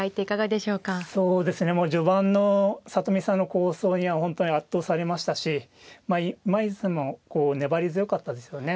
そうですねもう序盤の里見さんの構想には本当に圧倒されましたし今泉さんも粘り強かったですよね。